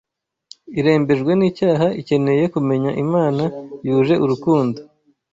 irembejwe n’icyaha ikeneye kumenya Imana yuje urukundo